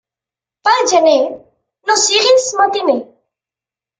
Pel gener, no sigues matiner.